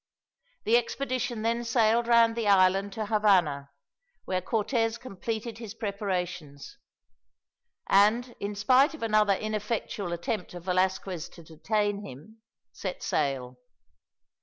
The expedition then sailed round the island to Havana, where Cortez completed his preparations; and in spite of another ineffectual attempt of Velasquez to detain him, set sail.